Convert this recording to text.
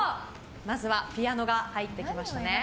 まずはピアノが入ってきましたね。